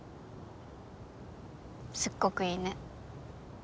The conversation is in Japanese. すっごくいいね。